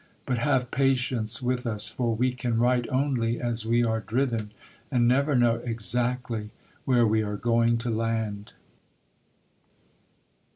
But have patience with us; for we can write only as we are driven, and never know exactly where we are going to land.